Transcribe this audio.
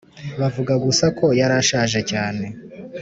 bavuga gusa ko yari ashaje cyane.